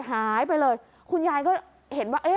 หายไปเลยคุณยายก็เห็นว่า